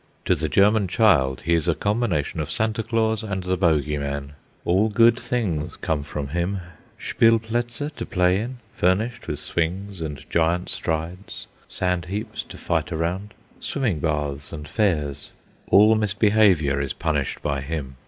To the German child he is a combination of Santa Claus and the Bogie Man. All good things come from him: Spielplatze to play in, furnished with swings and giant strides, sand heaps to fight around, swimming baths, and fairs. All misbehaviour is punished by him.